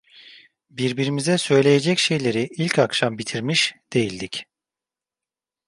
Birbirimize söyleyecek şeyleri ilk akşam bitirmiş değildik.